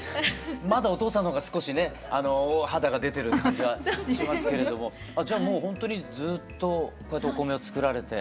まだお父さんの方が少しね肌が出てる感じはしますけれどもあじゃあもうほんとにずっとこうやってお米を作られて？